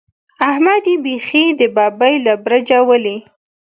احمد يې بېخي د ببۍ له برجه ولي.